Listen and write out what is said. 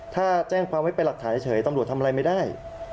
ถ้าแจ้งความไว้เป็นหลักฐานเฉยตำรวจทำอะไรไม่ได้